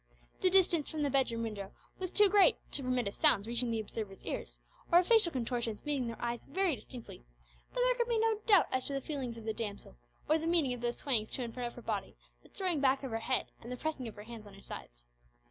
The distance from the bedroom window was too great to permit of sounds reaching the observers' ears, or of facial contortions meeting their eyes very distinctly, but there could be no doubt as to the feelings of the damsel, or the meaning of those swayings to and fro of her body, the throwing back of her head, and the pressing of her hands on her sides.